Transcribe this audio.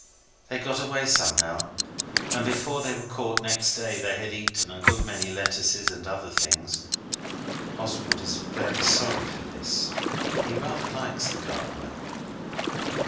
They got away somehow, and before they were caught next day they had eaten a good many lettuces and other things. Oswald is very sorry for this. He rather likes the gardener.